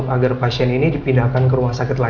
agar pasien ini dipindahkan ke rumah sakit lain